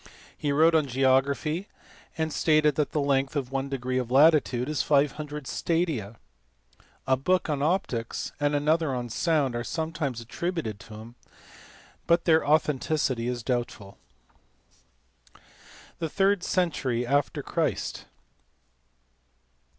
He wrote on geography, and stated that the length of one degree of latitude is 500 stadia. A book on optics and another on sound are sometimes attributed to him, but their authenticity is doubtful. The third century after Christ.